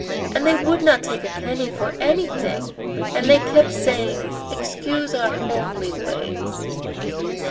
And they would not take a penny for anything. And they kept saying: 'Excuse our homely ways.